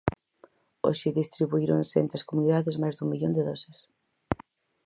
Hoxe distribuíronse entre as comunidades máis dun millón de doses.